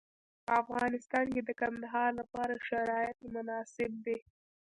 په افغانستان کې د کندهار لپاره شرایط مناسب دي.